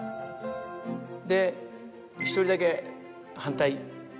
で１人だけ反対。